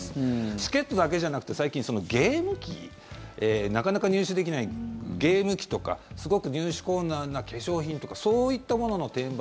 チケットだけじゃなくて最近、ゲーム機なかなか入手できないゲーム機とかすごく入手困難な化粧品とかそういったものの転売